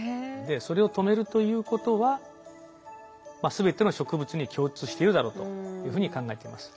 それを止めるということはまあ全ての植物に共通しているだろうというふうに考えています。